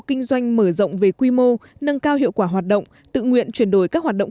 kinh doanh mở rộng về quy mô nâng cao hiệu quả hoạt động tự nguyện chuyển đổi các hoạt động